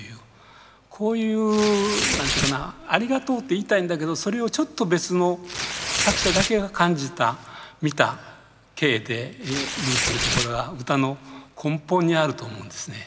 こういう何て言うかなありがとうって言いたいんだけどそれをちょっと別の作者だけが感じた見た景で言うというところは歌の根本にあると思うんですね。